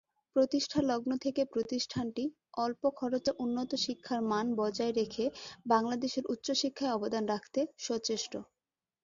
প্রতিষ্ঠালগ্ন থেকে প্রতিষ্ঠানটি স্বল্প খরচে উন্নত শিক্ষার মান বজায় রেখে বাংলাদেশের উচ্চশিক্ষায় অবদান রাখতে সচেষ্ট।